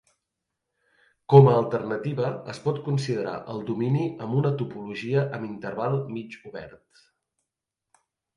Com a alternativa, es pot considerar el domini amb una topologia amb interval mig obert.